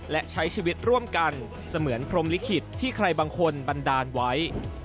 และใช้ชีวิตร่วมกันเสมือนพรมลิขิตที่ใครบางคนบันดาลไว้